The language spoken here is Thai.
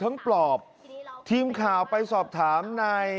เดือนนี้อาจจะเสียถึง๗๐๐๐ถึง๘๐๐๐ได้